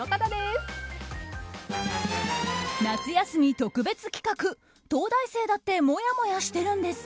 夏休み特別企画東大生だってもやもやしてるんです！